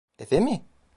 Eve mi?